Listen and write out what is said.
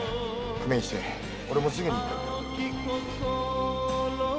工面して俺もすぐに行くからよ〕